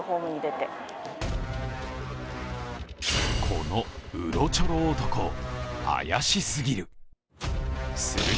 この、うろちょろ男怪しすぎる。